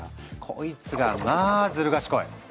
こいつがまあずる賢い。